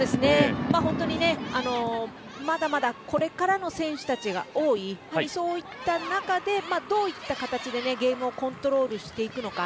本当に、まだまだこれからの選手たちが多いそういった中で、どういった形でゲームをコントロールしていくのか。